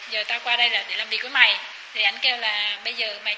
giờ tao qua đây là để làm gì với mày